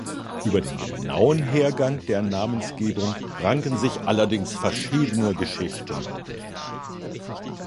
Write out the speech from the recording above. Über den genauen Hergang der Namensgebung ranken sich allerdings verschiedene Geschichten.